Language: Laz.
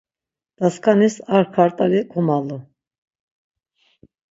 Dasǩanis ar kart̆alis kommalu.